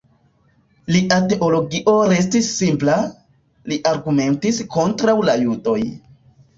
Lia teologio restis simpla; li argumentis kontraŭ la judoj.